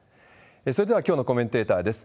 それでは、きょうのコメンテーターです。